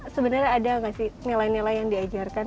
sebenarnya ada nggak sih nilai nilai yang diajarkan